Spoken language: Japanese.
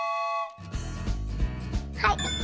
はい。